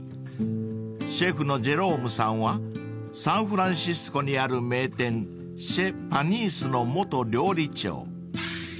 ［シェフのジェロームさんはサンフランシスコにある名店ＣｈｅｚＰａｎｉｓｓｅの元料理長］